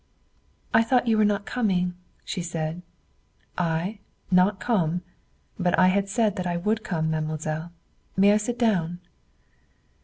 "I thought you were not coming," she said. "I? Not come? But I had said that I would come, mademoiselle. I may sit down?"